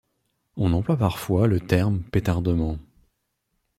On emploie parfois le terme pétardement.